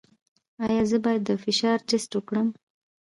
ایا زه باید د فشار ټسټ وکړم؟